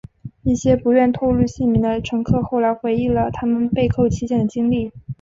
一些不愿透露姓名的乘客后来回忆了他们被扣期间的经历。